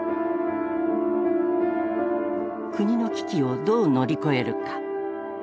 国の危機をどう乗り越えるか。